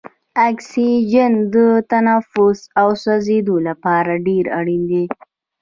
اکسیجن د تنفس او سوځیدو لپاره ډیر اړین دی.